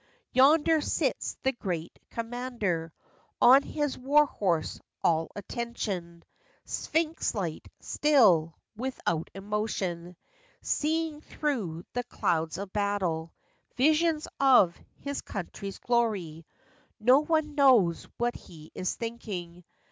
Yonder sits the great commander On his war horse, all attention ! Sphynx like, still; without emotion ; Seeing through the clouds of battle Visions of his country's glory! No one knows what he is thinking.